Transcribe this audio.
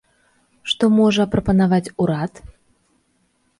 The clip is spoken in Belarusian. Што можа прапанаваць урад?